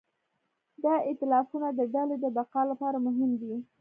دا ایتلافونه د ډلې د بقا لپاره مهم دي.